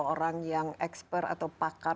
orang yang exper atau pakar